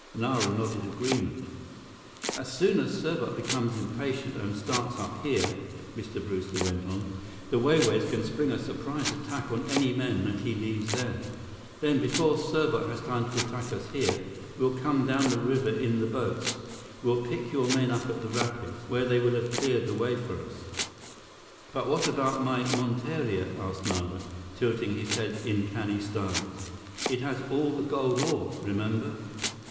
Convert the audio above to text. Nara nodded agreement. "As soon as Serbot becomes impatient and starts up here," Mr. Brewster went on, "the Wai Wais can spring a surprise attack on any men that he leaves there. Then, before Serbot has time to attack us here, we'll come down the river in the boats. We'll pick your men up at the rapids, where they will have cleared the way for us." "But what about my monteria?" asked Nara, tilting his head in canny style. "It has all the gold ore. Remember?"